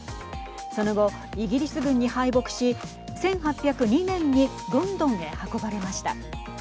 その後、イギリス軍に敗北し１８０２年にロンドンへ運ばれました。